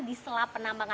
di selap penambangan